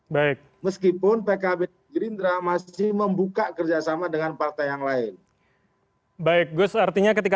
baik meskipun pkb gerindra masih membuka kerjasama dengan partai yang lain baik gus artinya ketika